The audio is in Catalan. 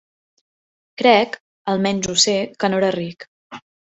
Crec –almenys ho sé- que no era ric.